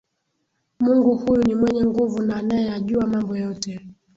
Mungu huyu ni mwenye nguvu na anayeyajua mambo yote